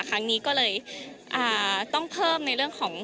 ครั้งนี้ก็เลยต้องเพิ่มในเรื่องของ